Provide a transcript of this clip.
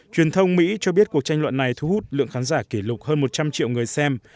truyền thông mỹ cho biết cuộc tranh luận này thu hút lượng khán giả kỷ lục hơn một trăm linh triệu người xem